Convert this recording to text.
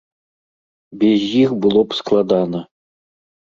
Без іх было б складана.